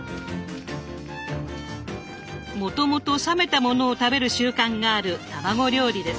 もともと冷めたものを食べる習慣がある卵料理です。